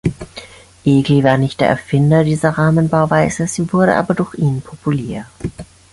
Egli war nicht der Erfinder dieser Rahmenbauweise, sie wurde aber durch ihn populär.